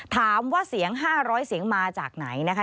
ถามว่าเสียง๕๐๐เสียงมาจากไหนนะคะ